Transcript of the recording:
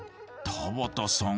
田畑さん